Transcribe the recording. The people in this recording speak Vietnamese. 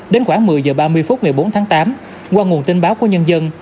đến khoảng một mươi h ba mươi phút ngày bốn tháng tám qua nguồn tin báo của nhân dân